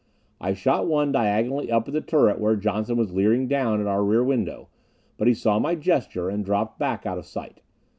I shot one diagonally up at the turret where Johnson was leering down at our rear window, but he saw my gesture and dropped back out of sight.